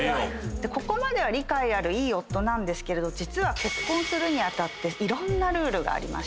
ここまでは理解あるいい夫なんですけれど実は結婚するに当たっていろんなルールがありました。